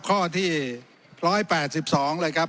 ขอประท้วงครับขอประท้วงครับขอประท้วงครับ